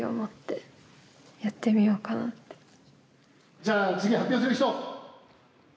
じゃあ次発表する人！